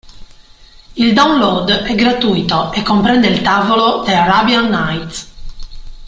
Il download è gratuito e comprende il tavolo "The Arabian Nights".